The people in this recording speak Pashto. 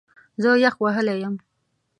زه یخ وهلی یم